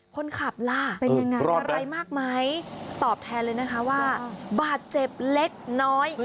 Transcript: คนขับล่าอะไรมากมั้ยตอบแทนเลยนะคะว่าบาดเจ็บเล็กน้อย